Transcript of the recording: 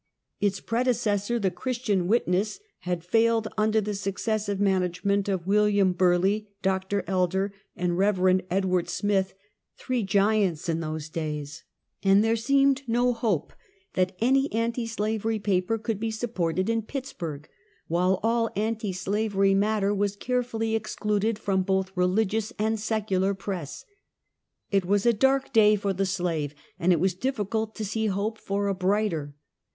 Its predecessor, The Christian Witness, had failed under the suc cessive management of William Burleigh, Dr. Elder, and Kev. Edward Smith, three giants in those days, 93 Half a Oentukt. and there seemed no hope that any anti slavery paper could be supported in Pittsburg, while all anti slavery matter was carefully excluded from both religious and secular press. It was a dark day for the slave, and it was difficult to see hope for a brighter.